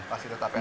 pasti tetap ya